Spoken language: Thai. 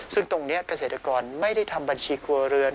ซึ่งตรงนี้เกษตรกรไม่ได้ทำบัญชีครัวเรือน